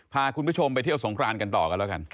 พาคุณผู้ชมไปเที่ยวสงครานกันต่อกันแล้วกัน